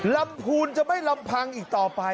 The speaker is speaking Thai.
ลำพูนจะไม่ลำพังอีกต่อไป